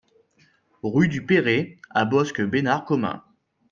Rue du Perrey à Bosc-Bénard-Commin